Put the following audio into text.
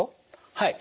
はい。